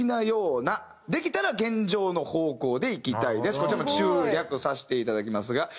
こちらも中略させていただきますが。